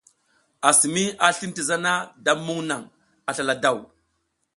Assimi a slin ti zana da mumuŋ naŋ a slala daw.